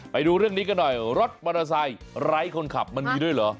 ไปดูเรื่องนี้กันหน่อยรถมอเตอร์ไซค์ไร้คนขับมันมีด้วยเหรอ